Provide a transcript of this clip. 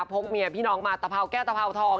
พบเมียพี่น้องมาตะพาวแก้วตะพาวทอง